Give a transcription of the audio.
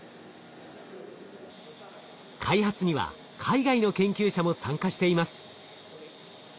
開発には海外の研究者も参加しています。